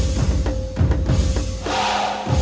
ตอนต่อไป